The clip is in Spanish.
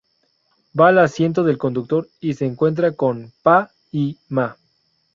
Va al asiento del conductor y se encuentra con Pa y Ma.